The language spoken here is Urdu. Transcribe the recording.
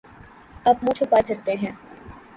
اب منہ چھپائے پھرتے ہیں۔